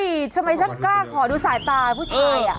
ทำไมฉันกล้าขอดูสายตาผู้ชาย